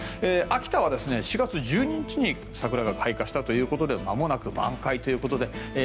秋田は４月１２日に桜が開花したということでまもなく満開ということで。